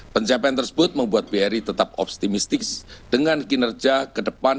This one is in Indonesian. pencapaian tersebut membuat bri tetap optimistis dengan kinerja ke depan